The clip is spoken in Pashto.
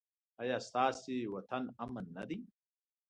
ایا ستاسو وطن امن نه دی؟